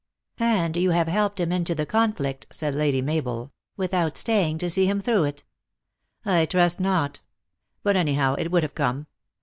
" And you have helped him into the conflict," said Lady Mabel, " without staying to see him through it." " I trust not. But, anyhow, it would have come.